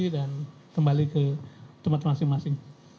dan kembali ke tempat masing masing